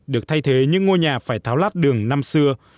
được thay thế những ngôi nhà phải tháo lát đường năm xưa